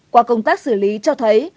qua công tác xử lý cho thấy